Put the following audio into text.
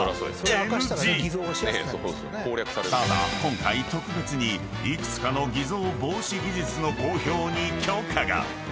［ただ今回特別に幾つかの偽造防止技術の公表に許可が］